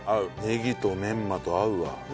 ネギとメンマと合うわ。